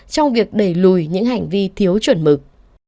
trong việc đẩy lùi những hành vi thiếu chuẩn mực